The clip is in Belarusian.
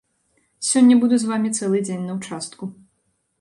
Сёння буду з вамі цэлы дзень на участку.